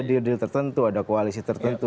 deal deal tertentu ada koalisi tertentu